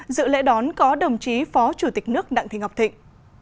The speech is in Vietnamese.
dự lễ đón có đồng chí phó chủ tịch nước đặng thị ngọc thịnh